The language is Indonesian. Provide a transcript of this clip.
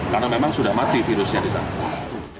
karena memang sudah mati virusnya di sana